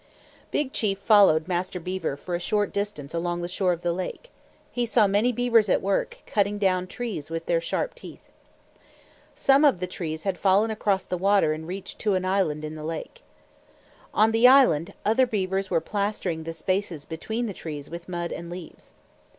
Big Chief followed Master Beaver for a short distance along the shore of the lake. He saw many beavers at work cutting down trees with their sharp teeth. Some of the trees had fallen across the water and reached to an island in the lake. On the island, other beavers were plastering the spaces between the trees with mud and leaves.